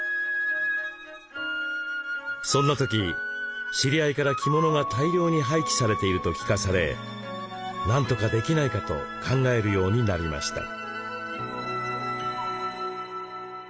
そんな時知り合いから着物が大量に廃棄されていると聞かされなんとかできないかと考えるようになりました。